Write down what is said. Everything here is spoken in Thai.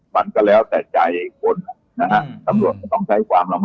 มันก็แล้วแต่ใจอีกคนนะครับ